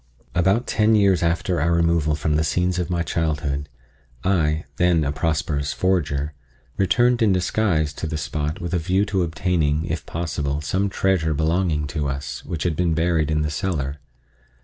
About ten years after our removal from the scenes of my childhood I, then a prosperous forger, returned in disguise to the spot with a view to obtaining, if possible, some treasure belonging to us, which had been buried in the cellar.